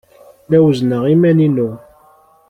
La wezzneɣ iman-inu.